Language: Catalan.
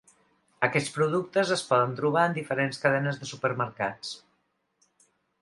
Aquests productes es poden trobar en diferents cadenes de supermercats.